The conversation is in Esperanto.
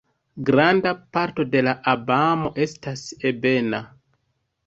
Granda parto de Alabamo estas ebena.